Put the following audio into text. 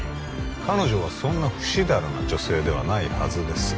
彼女はそんなふしだらな女性ではないはずです